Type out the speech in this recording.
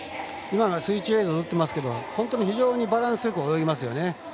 水中映像映っていますが本当に非常にバランスよく泳ぎますよね。